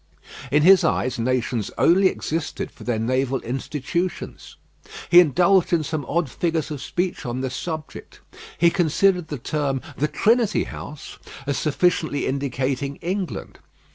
In his eyes, nations only existed for their naval institutions. He indulged in some odd figures of speech on this subject. He considered the term "The Trinity House" as sufficiently indicating England.